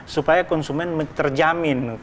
supaya konsumen terjamin